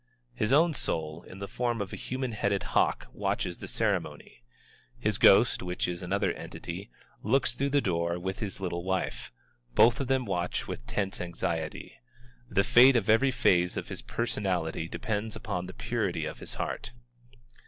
His own soul, in the form of a human headed hawk, watches the ceremony. His ghost, which is another entity, looks through the door with his little wife. Both of them watch with tense anxiety. The fate of every phase of his personality depends upon the purity of his heart.